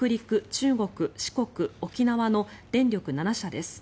中国、四国、沖縄の電力７社です。